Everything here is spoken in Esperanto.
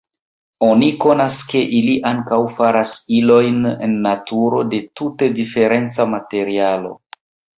Oni konas, ke ili ankaŭ faras ilojn en naturo de tute diferenca materialo.